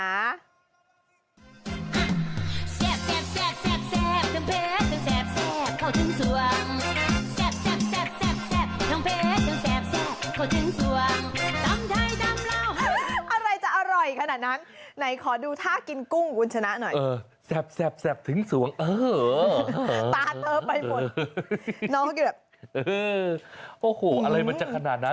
อะไรจะอร่อยขนาดนั้นไหนขอดูท่ากินกุ้งกุญชนะหน่อย